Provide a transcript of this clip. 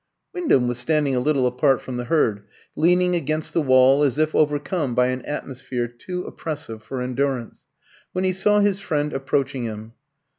Wyndham was standing a little apart from the herd, leaning against the wall, as if overcome by an atmosphere too oppressive for endurance, when he saw his friend approaching him.